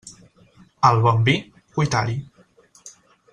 Al bon vi, cuitar-hi.